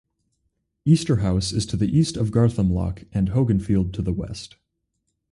Easterhouse is to the east of Garthamlock and Hogganfield to the west.